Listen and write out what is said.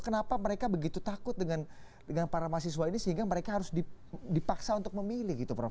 kenapa mereka begitu takut dengan para mahasiswa ini sehingga mereka harus dipaksa untuk memilih gitu prof